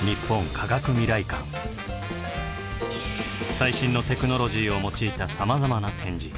最新のテクノロジーを用いたさまざまな展示。